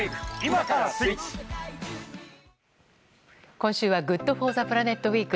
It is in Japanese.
今週は「ＧｏｏｄＦｏｒｔｈｅＰｌａｎｅｔウィーク」。